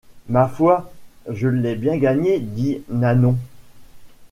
Ma foi, je l’ai bien gagné, dit Nanon.